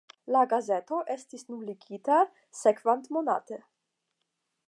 La gazeto estis nuligita sekvantmonate.